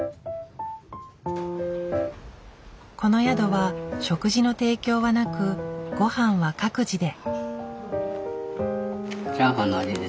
この宿は食事の提供はなくごはんは各自で。